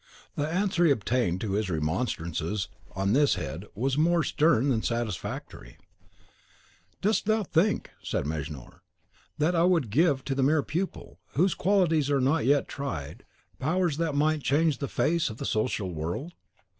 The answer he obtained to his remonstrances on this head was more stern than satisfactory: "Dost thou think," said Mejnour, "that I would give to the mere pupil, whose qualities are not yet tried, powers that might change the face of the social world?